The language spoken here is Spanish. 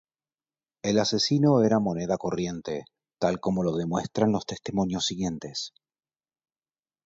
El asesinato era moneda, corriente tal como lo demuestran los testimonios siguientes.